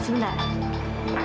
sebentar ya sebentar